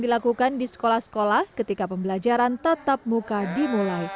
dilakukan di sekolah sekolah ketika pembelajaran tetap muka dimudahkan